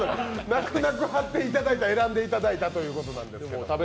泣く泣く張っていただいた、選んでいただいたということなんですけど。